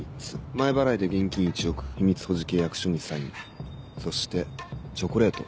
前払いで現金１億秘密保持契約書にサインそしてチョコレート。